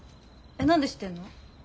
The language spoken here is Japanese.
何で知ってんの？